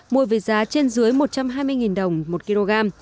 mua với giá trên dưới một trăm hai mươi đồng một kg